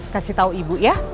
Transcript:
kasih tau ibu ya